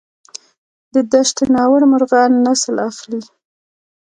د دشت ناور مرغان نسل اخلي؟